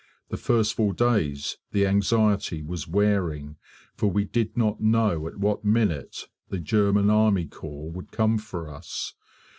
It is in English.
The first four days the anxiety was wearing, for we did not know at what minute the German army corps would come for us.